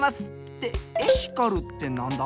ってエシカルってなんだ？